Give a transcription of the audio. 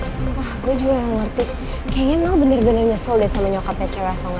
sumpah gue juga gak ngerti kayaknya mel bener bener nyesel deh sama nyokapnya cewek asalnya